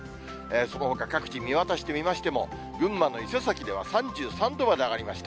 そのほか各地、見渡してみましても、群馬の伊勢崎では３３度まで上がりました。